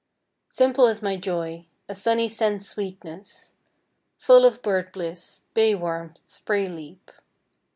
Simple is my joy, A sunny sense sweetness, Full of bird bliss, Bay warmth, spray leap.